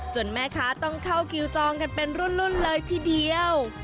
แม่ค้าต้องเข้าคิวจองกันเป็นรุ่นเลยทีเดียว